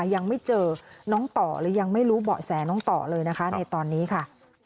ยังไม่เจอน้องต่อหรือยังไม่รู้เบาะแสน้องต่อเลยนะคะในตอนนี้ค่ะ